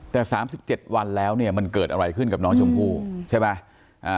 แต่๓๗วันแล้วเนี่ยมันเกิดอะไรขึ้นกับน้องชมพู่ใช่ไหม